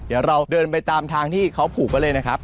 เดี๋ยวเราเดินไปตามทางที่เขาผูกไว้เลยนะครับ